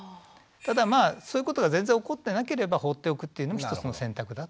ただまあそういうことが全然起こってなければ放っておくっていうのも１つの選択だと思います。